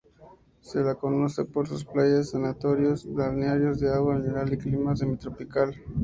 Se la conoce por sus playas, sanatorios, balnearios de agua mineral y clima semitropical.